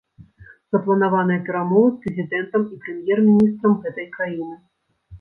Запланаваныя перамовы з прэзідэнтам і прэм'ер-міністрам гэтай краіны.